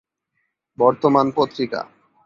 বর্তমান পত্রিকা